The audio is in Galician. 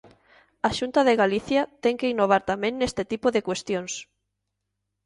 A Xunta de Galicia ten que innovar tamén neste tipo de cuestións.